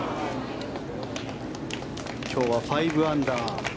今日は５アンダー。